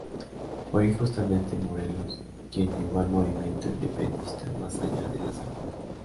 Fue justamente Morelos quien llevó al movimiento independentista más allá de las armas.